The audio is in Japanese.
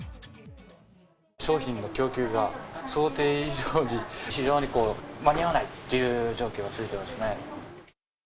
商品の供給が、想定以上に非常に間に合わないっていう状況が続いてますね。